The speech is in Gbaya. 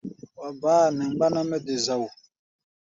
Wa baá a nɛ mgbánda mɛ́ de zao.